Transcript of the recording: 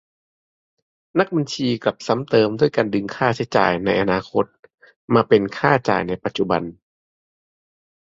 นักบัญชีกลับซ้ำเติมด้วยการดึงค่าใช้จ่ายในอนาคตมาเป็นค่าใช้จ่ายปัจจุบัน ?